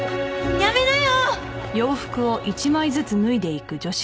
やめなよ！